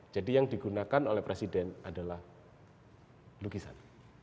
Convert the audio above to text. jadi yang digunakan oleh presiden adalah lukisan